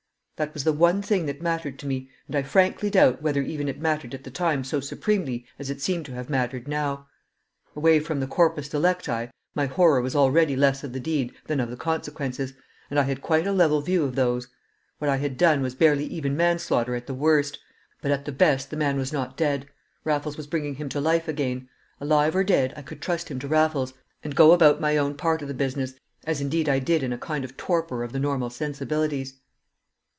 That was the one thing that mattered to me, and I frankly doubt whether even it mattered at the time so supremely as it seemed to have mattered now. Away from the corpus delicti, my horror was already less of the deed than of the consequences, and I had quite a level view of those. What I had done was barely even manslaughter at the worst. But at the best the man was not dead. Raffles was bringing him to life again. Alive or dead, I could trust him to Raffles, and go about my own part of the business, as indeed I did in a kind of torpor of the normal sensibilities.